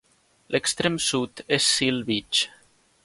L'extrem sud és Seal Beach.